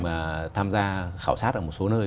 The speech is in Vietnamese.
mà tham gia khảo sát ở một số nơi